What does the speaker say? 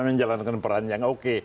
menjalankan peran yang oke